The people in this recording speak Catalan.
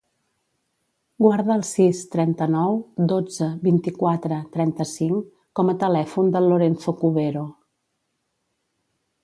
Guarda el sis, trenta-nou, dotze, vint-i-quatre, trenta-cinc com a telèfon del Lorenzo Cubero.